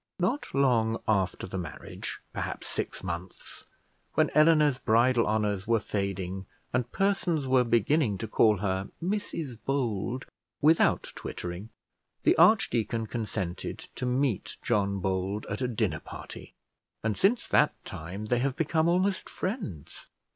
Not long after the marriage, perhaps six months, when Eleanor's bridal honours were fading, and persons were beginning to call her Mrs Bold without twittering, the archdeacon consented to meet John Bold at a dinner party, and since that time they have become almost friends.